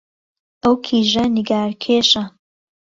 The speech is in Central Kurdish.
ئەو کیژە نیگارکێشە